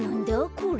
これ。